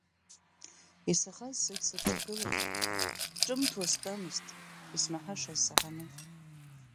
Исаӷаз зегь сырҿагылеит, ҿымҭуа стәамызт, исмаҳашаз саҳаны.